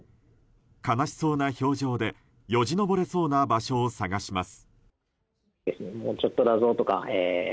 悲しそうな表情でよじ登れそうな場所を探します。